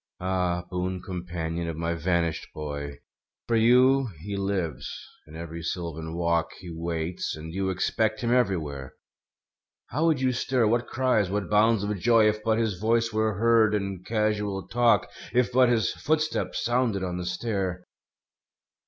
Ah, boon companion of my vanished boy. For you he lives; in every sylvan walk He waits; and you expect him everywhere. How would you stir, what cries, what bounds of joy. If but his voice were heard in casual talk. If but his footstep sounded on the stair!